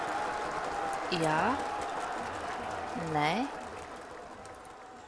Jā. Nē.